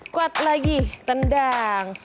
kuat lagi tendang